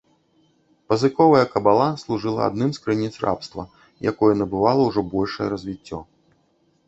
Пазыковая кабала служыла адным з крыніц рабства, якое набывала ўжо большае развіццё.